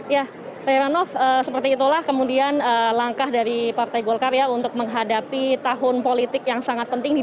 ya rai ranoff seperti itulah kemudian langkah dari partai gokart ya untuk menghadapi tahun politik yang sangat penting di dua ribu dua puluh empat